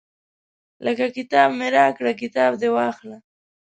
لکه کتاب مې راکړه کتاب دې واخله.